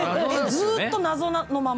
ずーっと謎のまま？